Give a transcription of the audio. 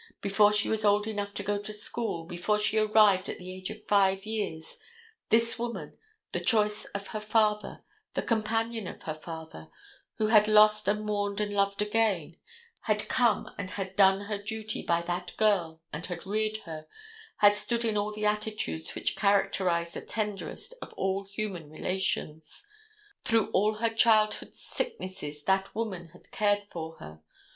Before she was old enough to go to school, before she arrived at the age of five years, this woman, the choice of her father, the companion of her father, who had lost and mourned and loved again, had come in and had done her duty by that girl and had reared her, had stood in all the attitudes which characterize the tenderest of all human relations. Through all her childhood's sicknesses that woman had cared for her.